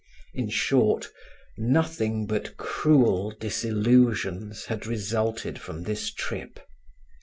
In short, nothing but cruel disillusions had resulted from this trip.